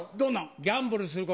ギャンブルすること。